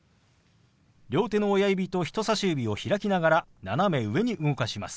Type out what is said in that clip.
両手の親指と人さし指を開きながら斜め上に動かします。